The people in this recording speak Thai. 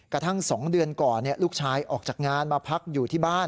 กระทั่ง๒เดือนก่อนลูกชายออกจากงานมาพักอยู่ที่บ้าน